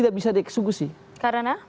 di jawa tenggara